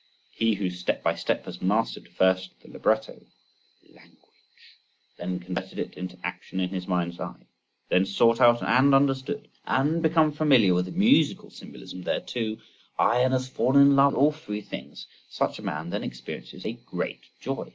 He who step by step has mastered, first the libretto (language!), then converted it into action in his mind's eye, then sought out and understood, and became familiar with the musical symbolism thereto: aye, and has fallen in love with all three things: such a man then experiences a great joy.